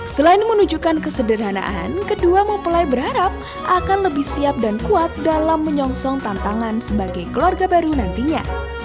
selain menunjukkan kesederhanaan kedua mempelai berharap akan lebih siap dan kuat dalam menyongsong tantangan sebagai keluarga baru nantinya